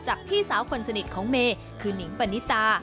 พี่สาวคนสนิทของเมย์คือนิงปณิตา